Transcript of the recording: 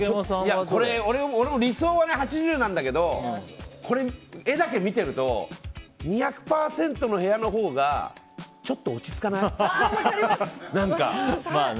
俺も理想は８０なんだけど画だけ見ていると２００％の部屋のほうがちょっと落ち着かない？